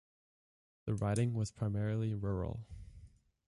The riding was primarily rural.